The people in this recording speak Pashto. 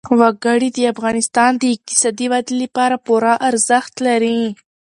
وګړي د افغانستان د اقتصادي ودې لپاره پوره ارزښت لري.